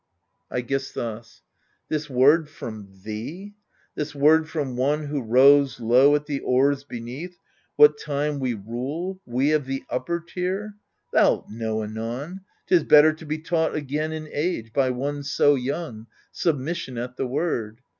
^ Reading 5r(ra^X<y. AGAMEMNON 75 i^GISTHUS This word from thee, this word from one who rows Low at the oars ^ beneath, what time we rule, We of the upper tier ? Thou'lt know anon, 'Tis bitter to be taught again in age. By one so young, submission at the word.